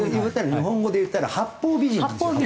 日本語で言ったら八方美人なんですよ。